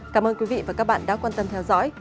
cảm ơn quý vị và các bạn đã quan tâm theo dõi